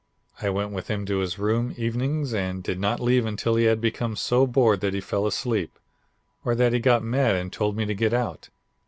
I went with him to his room evenings and did not leave until he had become so bored that he fell asleep, or that he got mad and told me to get out.